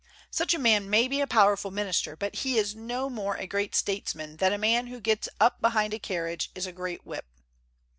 Such a man may be a powerful minister, but he is no more a great statesman than a man who gets up behind a carriage is a great whip."